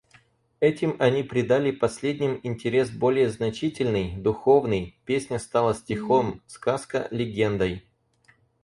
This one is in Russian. Этим они придали последним интерес более значительный, духовный; песня стала стихом, сказка легендой.